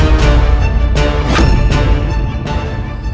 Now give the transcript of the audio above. aku akan menangkapmu